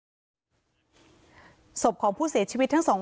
เพราะไม่เคยถามลูกสาวนะว่าไปทำธุรกิจแบบไหนอะไรยังไง